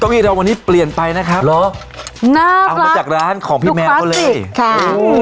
วันนี้เปลี่ยนไปนะครับหรอน่ารักเอามาจากร้านของพี่แมวเขาเลยค่ะโอ้